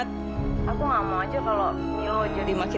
cobalah beberapa saat lagi